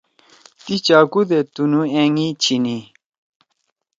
تی چاکُو دے تُنُو أنگی چھیِنی۔